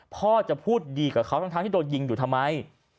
พ่อจะพูดดีกับเขาทั้งที่โดนยิงอยู่ทำไม